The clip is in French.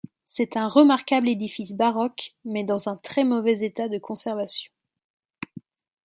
C'est un remarquable édifice baroque, mais dans un très mauvais état de conservation.